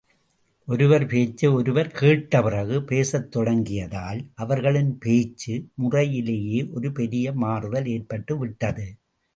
ஒருவர் பேச்சை ஒருவர் கேட்டப்பிறகு பேசத் தொடங்கியதால், அவர்களின் பேச்சு முறையிலேயே ஒரு பெரிய மாறுதல் ஏற்பட்டுவிட்டது.